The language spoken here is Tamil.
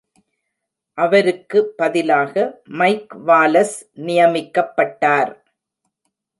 அவருக்கு பதிலாக மைக் வாலஸ் நியமிக்கப்பட்டார்..